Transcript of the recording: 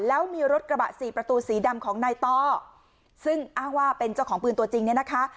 แล้วมีรถกระบะสี่ประตูสีดำของนายต้อซึ่งอ้างว่าเป็นเจ้าของปืนตัวจริงเนี่ยนะคะ